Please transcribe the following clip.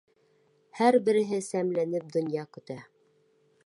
Һәр береһе сәмләнеп донъя көтә.